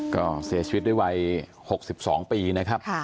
ก็เสียชีวิตด้วยวัย๖๒ปีนะครับ